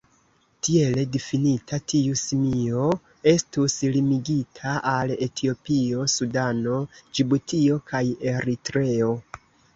Tiele difinita, tiu simio estus limigita al Etiopio, Sudano, Ĝibutio kaj Eritreo.